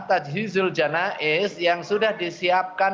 tadzih zuljanaiz yang sudah disiapkan